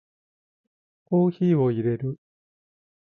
コーヒーを淹れる